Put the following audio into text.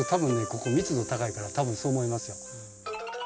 ここ密度高いから多分そう思いますよ。